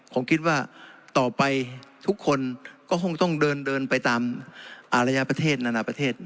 ผมคิดว่าต่อไปทุกคนก็คงต้องเดินไปตามอารยาประเทศนานาประเทศ